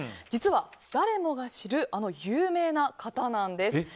実は、誰もが知るあの有名な方なんです。